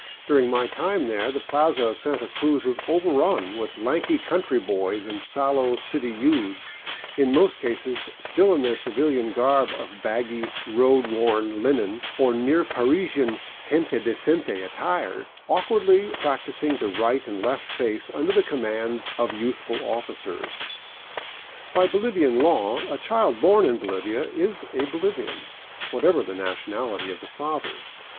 During my time there the plaza of Santa Cruz was overrun with lank country boys and sallow city youths, in most cases still in their civilian garb of baggy, road worn linen or near Parisian gente decente attire, awkwardly practicing the right and left face under the commands of youthful officers. By Bolivian law a child born in Bolivia is a Bolivian, what ever the nationality of the father.